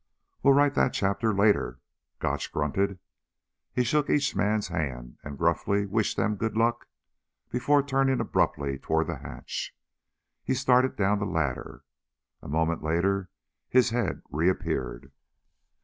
"We'll write that chapter later," Gotch grunted. He shook each man's hand and gruffly wished them luck before turning abruptly toward the hatch. He started down the ladder. A moment later his head reappeared.